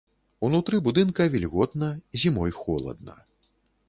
Унутры будынка вільготна, зімой холадна.